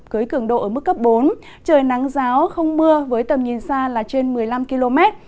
cưới cường độ ở mức cấp bốn trời nắng giáo không mưa với tầm nhìn xa là trên một mươi năm km